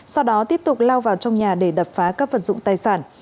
sau đó tiếp tục lao vào trong nhà để đập phá các vật dụng tài sản